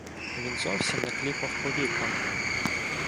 Він зовсім не кліпав повіками.